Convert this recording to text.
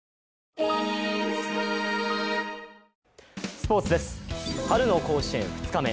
スポーツです、春の甲子園２日目。